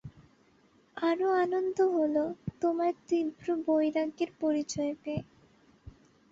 আরও আনন্দ হল তোমার তীব্র বৈরাগ্যের পরিচয় পেয়ে।